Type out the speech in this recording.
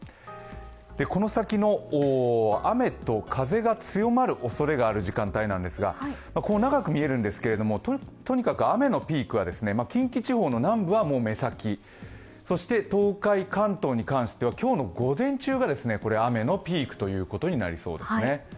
この先の雨と風が強まるおそれがある時間帯なんですが長く見えるんですけど、とにかく雨のピークは近畿地方の南部はもう目先そして東海・関東に関しては今日の午前中が雨のピークということになりそうですね。